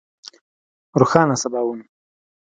روښانه سباوون